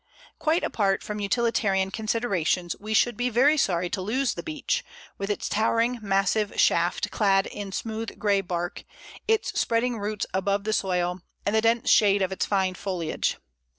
Quite apart from utilitarian considerations, we should be very sorry to lose the Beech, with its towering, massive shaft clad in smooth grey bark, its spreading roots above the soil, and the dense shade of its fine foliage.